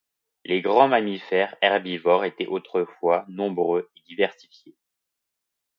Les grands mammifères herbivores étaient autrefois nombreux et diversifiés.